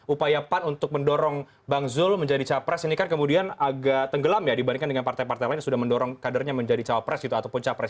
upaya pan untuk mendorong bang zul menjadi capres ini kan kemudian agak tenggelam ya dibandingkan dengan partai partai lain yang sudah mendorong kadernya menjadi cawapres gitu ataupun capres